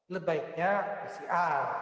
lebih baiknya pcr